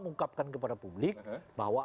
mengungkapkan kepada publik bahwa